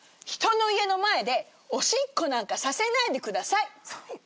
人の家の前でおしっこなんかさせないでください。